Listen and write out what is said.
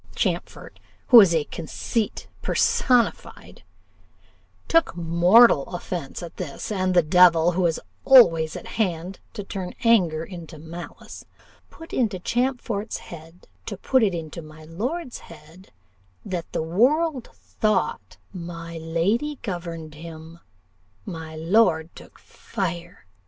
Champfort, who is conceit personified, took mortal offence at this; and the devil, who is always at hand to turn anger into malice, put it into Champfort's head to put it into my lord's head, that the world thought 'My lady governed him.' My lord took fire.